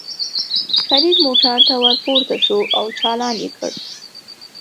فرید موټر ته ور پورته شو او چالان یې کړ.